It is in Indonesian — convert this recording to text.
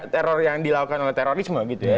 teror yang dilakukan oleh terorisme gitu ya